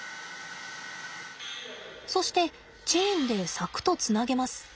そしてチェーンで柵とつなげます。